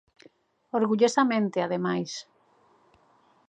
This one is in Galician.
Orgullosamente, ademais.